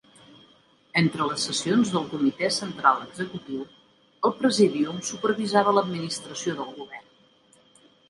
Entre les sessions del Comitè Central Executiu, el Presídium supervisava l'administració del govern.